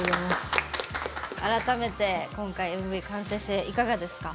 改めて今回ＭＶ完成していかがですか？